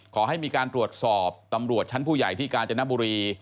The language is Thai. ขอให้มีการตรวจสอบตำรวจชั้นผู้ใหญ่ที่กาญจนบุรี